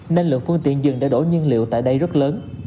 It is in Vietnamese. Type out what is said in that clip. nên lượng phương tiện dừng để đổ nhiên liệu tại đây rất lớn